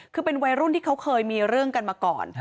คือเป็นวัยรุ่นที่เขาเคยมีเรื่องกันมาก่อน